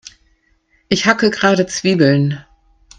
Ich hacke gerade Zwiebeln.